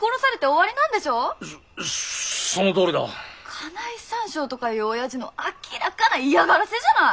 金井三笑とかいう親父の明らかな嫌がらせじゃない！